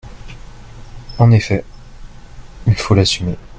En effet ! Il faut l’assumer.